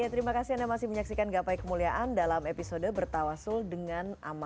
terima kasih anda masih menyaksikan gapai kemuliakan